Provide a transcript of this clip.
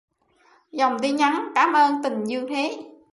Dòng tin nhắn...cám ơn tình dương thế...!